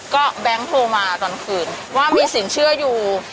ก็แบงค์โทรมาตอนคืนว่ามีสินเชื่ออยู่